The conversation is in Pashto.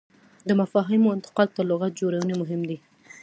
د مفاهیمو انتقال تر لغت جوړونې مهم دی.